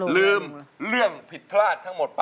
เริ่มเลื่องพิดพลาดทั้งหมด